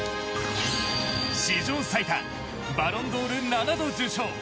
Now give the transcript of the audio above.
史上最多、バロンドール７度受賞。